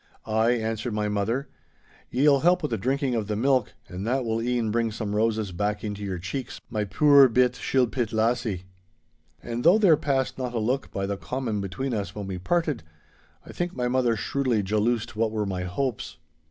'Ay,' answered my mother. 'Ye will help with the drinking of the milk, and that will e'en bring some roses back into your cheeks, my puir bit shilpit lassie.' And though there passed not a look by the common between us when we parted, I think my mother shrewdly jaloosed what were my hopes.